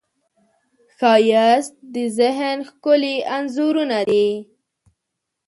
ښایست د ذهن ښکلي انځورونه دي